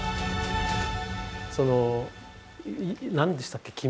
その何でしたっけ？